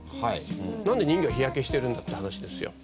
なんで人魚が日焼けしてるんだって話ですよ。